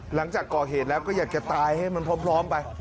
หลังจากก่อเหตุแล้วก็อยากจะตายให้มันพร้อมไป